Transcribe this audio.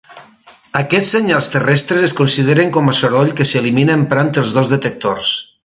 Aquests senyals terrestres es consideren com a soroll que s'elimina emprant els dos detectors.